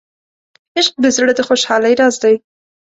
عشق د زړه د خوشحالۍ راز دی.